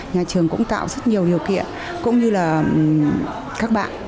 nhà trường cũng tạo rất nhiều điều kiện cũng như là các bạn